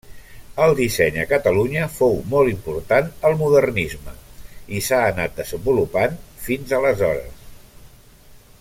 El disseny a Catalunya fou molt important al Modernisme, i s'ha anat desenvolupant fins aleshores.